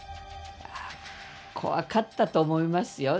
怖かったと思いますよ。